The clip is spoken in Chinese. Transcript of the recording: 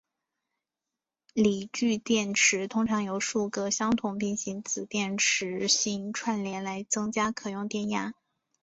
锂聚电池通常是由数个相同的平行子电池芯串联来增加可用电压。